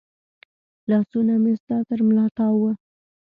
لاسونه مې ستا تر ملا تاو و